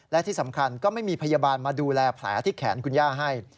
และที่สำคัญก็ไม่มีพยาบาลมาดูแลแผลที่แขนคุณย่าให้